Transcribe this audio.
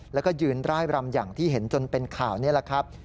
แล้วก็ยืนร่ายรำอย่างที่เห็นจนเป็นข่าวนี่แหละครับ